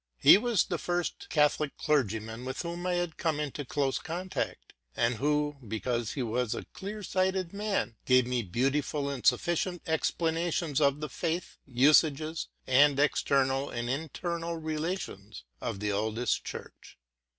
He was the first Catholic clergyman with whom I had come into close contact, and who, because he was a clear sighted man, gave me beautiful and sufficient expla nations of the faith, usages, and external and internal relations of the oldest church.